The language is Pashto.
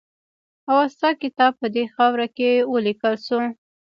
اوستا کتاب په دې خاوره کې ولیکل شو